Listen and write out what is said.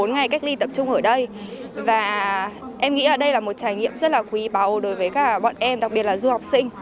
một mươi bốn ngày cách ly tập trung ở đây và em nghĩ ở đây là một trải nghiệm rất là quý bào đối với các bọn em đặc biệt là du học sinh